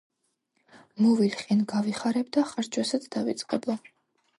მოვილხენ, გავიხარებ, და ხარჯვასაც დავიწყებო!